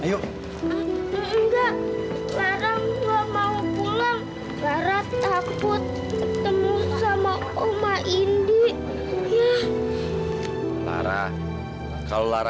tapi waktunya itu untuk menbiarkan perhatianku itu sonra